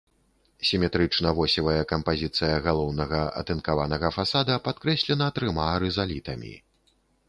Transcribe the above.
Сіметрычна-восевая кампазіцыя галоўнага атынкаванага фасада падкрэслена трыма рызалітамі.